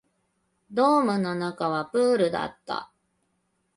ドームの中はプールだった